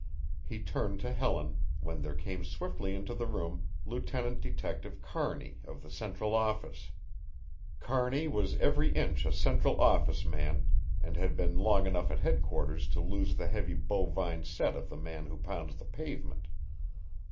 He turned to Helen, when there came swiftly into the room Lieutenant Detective Kearney of the Central Office. Kearney was every inch a Central Office man, and had been long enough at Headquarters to lose the heavy bovine set of the man who pounds the pavement.